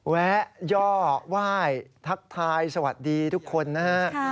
แวะย่อไหว้ทักทายสวัสดีทุกคนนะฮะ